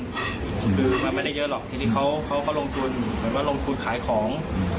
คือมันไม่ได้เยอะหรอกทีนี้เขาก็ลงทุนเหมือนว่าลงทุนขายของ